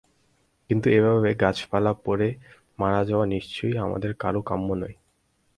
কিন্তু এভাবে গাছচাপা পড়ে মারা যাওয়া নিশ্চয়ই আমাদের কারও কাম্য নয়।